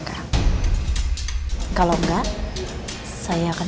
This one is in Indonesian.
saya pikir kalau naya sama satu